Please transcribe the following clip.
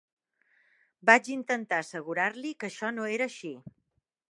Vaig intentar assegurar-li que això no era així.